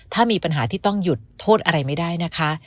ถ้ามีปัญหาที่ต้องหยุดโทษอะไรไม่ได้นะคะ